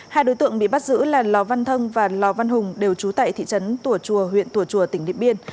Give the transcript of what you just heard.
hai đối tượng bị bắt giữ là lò văn thân và lò văn hùng đều trú tại thị trấn tùa chùa huyện tùa chùa tỉnh điện biên